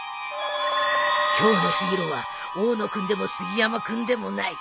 今日のヒーローは大野君でも杉山君でもない